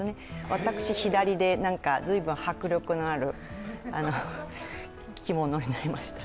私、左で随分迫力のある着物になりましたね